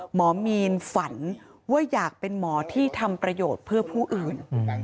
หมอมีนฝันว่าอยากเป็นหมอที่ทำประโยชน์เพื่อผู้อื่น